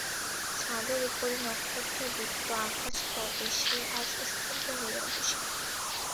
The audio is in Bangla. ছাদের উপরে নক্ষত্রদীপ্ত আকাশের তলে সে আজ স্তব্ধ হইয়া বসিল।